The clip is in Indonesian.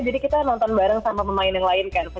jadi kita nonton bareng sama pemain yang lain kan